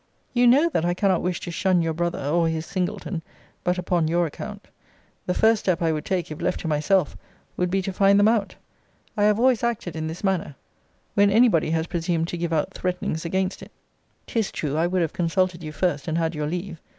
You know, that I cannot wish to shun your brother, or his Singleton, but upon your account. The first step I would take, if left to myself, would be to find them out. I have always acted in this manner, when any body has presumed to give out threatenings against it. 'Tis true I would have consulted you first, and had your leave.